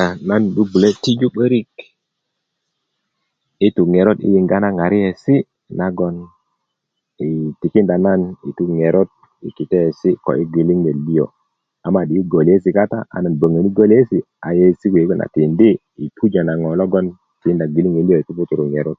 a nan 'bu'bulä tijú 'bärik i tó ŋerot i yinga na ŋariyesi na gon um tikindá nan i tu ŋerot i kulysi kó i gbeliŋet liyó a madi i goliyesi kata a nan bäŋäni goliyesi a yeyesi kuwe a na tidi i pujó na ŋo logon i puputurú ŋerot